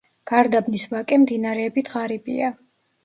გარდაბნის ვაკე მდინარეებით ღარიბია.